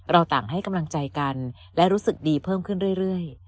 ต่างให้กำลังใจกันและรู้สึกดีเพิ่มขึ้นเรื่อย